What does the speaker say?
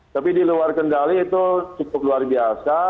tapi di luar kendali itu cukup luar biasa